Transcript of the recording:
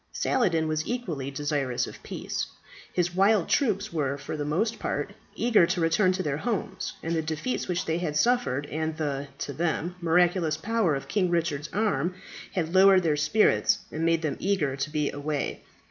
Saladin was equally desirous of peace. His wild troops were, for the most part, eager to return to their homes, and the defeats which they had suffered, and the, to them, miraculous power of King Richard's arm, had lowered their spirit and made them eager to be away.